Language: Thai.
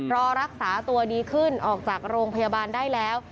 รอรักษาตัวดีขึ้นออกจากโรงพยาบาลได้แล้ว